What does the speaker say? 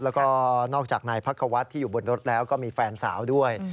แล้วก็นอกจากนายพักควัฒน์ที่อยู่บนรถแล้วก็มีแฟนสาวด้วย